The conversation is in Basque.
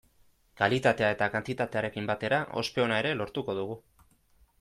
Kalitatea eta kantitatearekin batera ospe ona ere lortuko dugu.